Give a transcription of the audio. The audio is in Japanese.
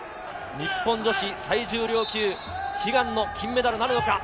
日本女子最重量級、悲願の金メダルなるのか。